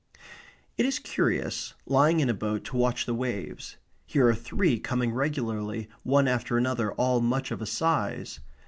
It is curious, lying in a boat, to watch the waves. Here are three coming regularly one after another, all much of a size.